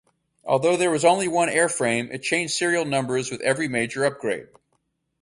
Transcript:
Although there was only one airframe, it changed serial numbers with every major upgrade.